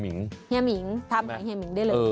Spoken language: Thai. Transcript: เฮมิงทำให้เฮมิงได้เลย